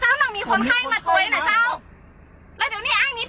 อ้างลงมาดู